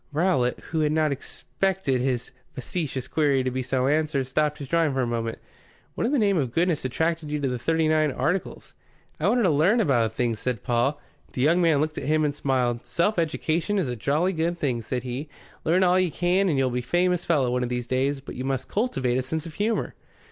Rowlatt, who had not expected his facetious query to be so answered, stopped his drawing for a moment. "What in the name of goodness attracted you to the Thirty nine Articles?" "I wanted to learn about things," said Paul. The young man looked at him and smiled. "Self education is a jolly good thing," said he. "Learn all you can, and you'll be a famous fellow one of these days. But you must cultivate a sense of humour."